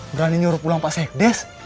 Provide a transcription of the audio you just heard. berani nyuruh pulang pak sekdes